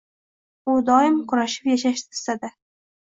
U doim kurashib yashashni istadi